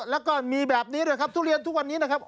แล้วก็มีแบบนี้ด้วยครับทุเรียนทุกวันนี้นะครับ